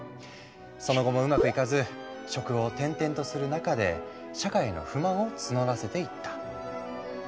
その後もうまくいかず職を転々とする中で社会への不満を募らせていった。